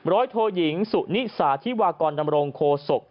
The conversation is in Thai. โทยิงสุนิสาธิวากรดำรงโคศก